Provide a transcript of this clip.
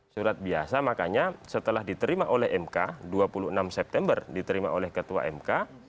surat biasa makanya setelah diterima oleh mk dua puluh enam september diterima oleh ketua mk